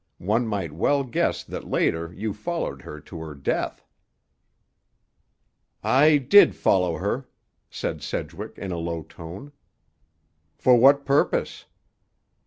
One might well guess that later you followed her to her death." "I did follow her," said Sedgwick in a low tone. "For what purpose?"